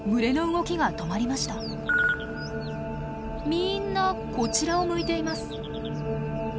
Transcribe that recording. みんなこちらを向いています。